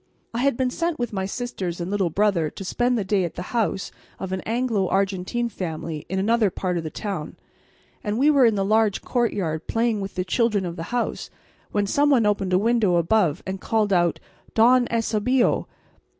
I had been sent with my sisters and little brother to spend the day at the house of an Anglo Argentine family in another part of the town, and we were in the large courtyard playing with the children of the house when some one opened a window above us and called out, "Don Eusebio!"